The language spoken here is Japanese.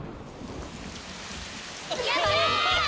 やった！